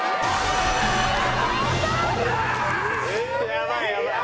やばいやばい。